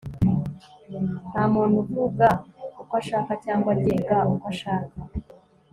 Ntamuntu uvuga uko ashaka cyangwa agenda uko ashaka